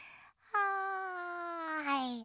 はい。